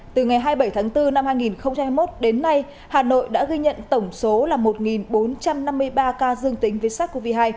từ ngày hai mươi bảy tháng bốn năm hai nghìn hai mươi một đến nay hà nội đã ghi nhận tổng số là một bốn trăm năm mươi ba ca dương tính với sars cov hai